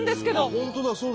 本当だ。